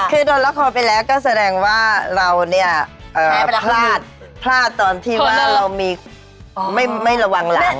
คือโดนละครไปแล้วก็แสดงว่าเราเนี่ยแพ้ไปพลาดพลาดตอนที่ว่าเรามีไม่ระวังหลัง